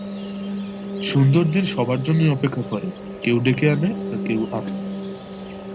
সুন্দর দিন সবার জন্যই অপেক্ষা করে কেউ ডেকে আনে আর কেউ আনে না।